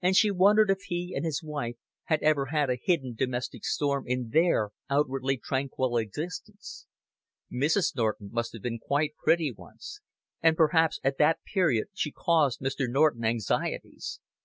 And she wondered if he and his wife had ever had a hidden domestic storm in their outwardly tranquil existence. Mrs. Norton must have been quite pretty once, and perhaps at that period she caused Mr. Norton anxieties.